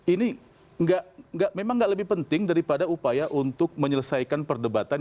ini memang nggak lebih penting daripada upaya untuk menyelesaikan perdebatan